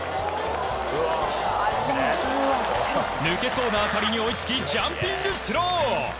抜けそうな当たりに追いつきジャンピングスロー。